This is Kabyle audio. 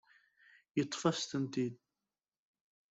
Yeṭṭef-asent-ten-id.